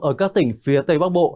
ở các tỉnh phía tây bắc bộ